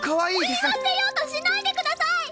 言わせようとしないでください！